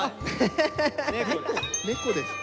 猫ですか。